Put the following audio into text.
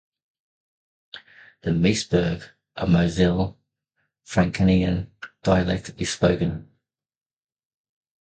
In Meisburg, a Moselle Franconian dialect is spoken.